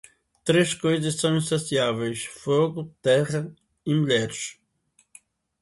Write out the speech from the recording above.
Três coisas são insaciáveis: fogo, terra e mulheres.